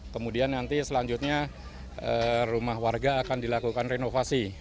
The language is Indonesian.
kemudian nanti selanjutnya rumah warga akan dilakukan renovasi